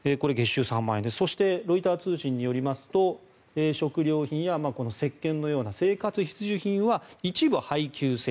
そしてロイター通信によりますと食料品やせっけんのような生活必需品は一部配給制。